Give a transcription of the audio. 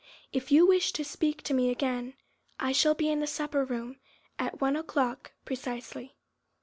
"If you wish to speak to me again, I shall be in the supper room at one o'clock precisely."